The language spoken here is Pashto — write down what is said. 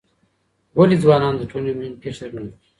ولې ځوانان د ټولنې مهم قشر ګڼل کیږي؟